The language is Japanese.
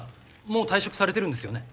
もう退職されてるんですよね？